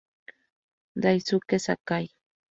Daisuke Sakai